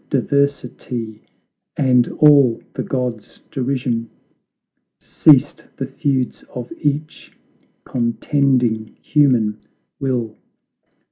diversity and all the gods' derision Ceased the feuds of each contending human will!